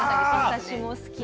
私も好き。